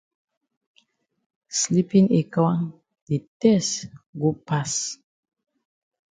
Sleepin ekwang di tess go pass.